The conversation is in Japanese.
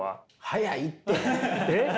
早いって。